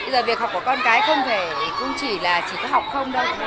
giờ việc học của con cái không phải cũng chỉ là chỉ có học không đâu